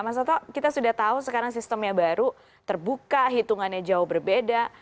mas toto kita sudah tahu sekarang sistemnya baru terbuka hitungannya jauh berbeda